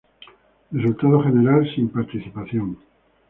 Resultado General: "Sin participación"